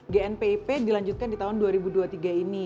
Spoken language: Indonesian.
gnpp dilanjutkan di tahun dua ribu dua puluh tiga ini